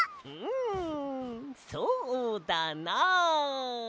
んそうだな。